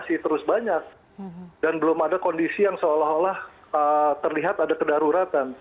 masih terus banyak dan belum ada kondisi yang seolah olah terlihat ada kedaruratan